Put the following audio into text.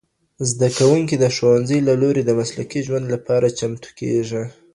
زدهکوونکي د ښوونځي له لوري د مسلکي ژوند لپاره چمتو کيږي.